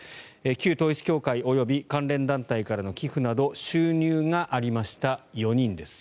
旧統一教会及び関連団体からの寄付など収入がありました４人です。